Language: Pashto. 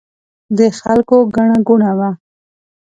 د خلکو ګڼه ګوڼه وه.